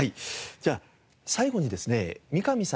じゃあ最後にですね三上さんと森田さん